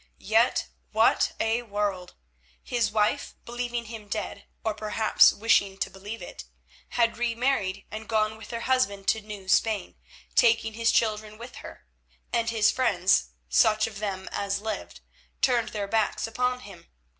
Yet what a world! His wife, believing him dead, or perhaps wishing to believe it, had remarried and gone with her husband to New Spain, taking his children with her, and his friends, such of them as lived, turned their backs upon him.